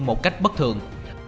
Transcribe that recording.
một cách bất thường